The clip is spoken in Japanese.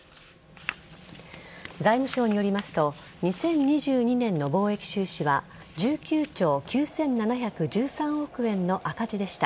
財務省によりますと２０２２年の貿易収支は１９兆９７１３億円の赤字でした。